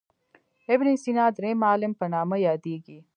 ابن سینا درېم معلم په نامه یادیږي.